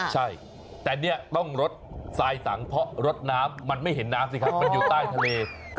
ใช่แต่เนี่ยต้องรถทรายสังเพราะรถน้ำมันไม่เห็นน้ำสิครับมันอยู่ใต้ทะเล